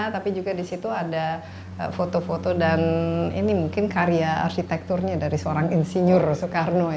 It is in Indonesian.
tapi juga di situ ada foto foto dan ini mungkin karya arsitekturnya dari seorang insinyur soekarno ya